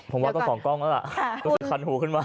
ผมว่าต้องสองกล้องแล้วล่ะรู้สึกคันหูขึ้นมา